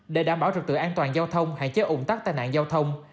để đảm bảo trực tự an toàn giao thông hạn chế ủng tắc tai nạn giao thông